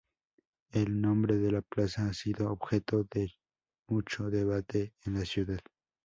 El nombre de la plaza ha sido objeto de mucho debate en la ciudad.